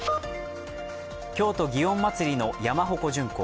京都・祇園祭の山鉾巡行。